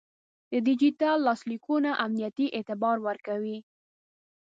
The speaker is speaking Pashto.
د ډیجیټل لاسلیکونه امنیتي اعتبار ورکوي.